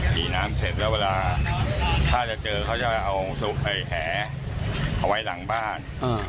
ขี่น้ำเสร็จแล้วเวลาถ้าจะเจอเขาจะเอาแหเอาไว้หลังบ้าน